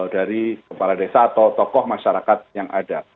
dari kepala desa atau tokoh masyarakat yang ada